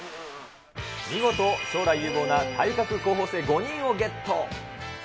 見事、将来有望な体格候補生５人をゲット。